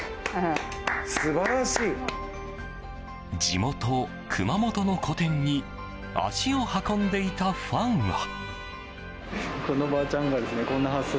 地元・熊本の個展に足を運んでいたファンは。